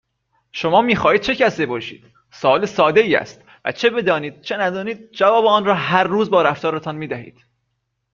شما میخواهید چه کسی باشید؟ سوال سادهای است، و چه بدانید چه ندانید، جواب آن را هر روز با رفتارتان میدهید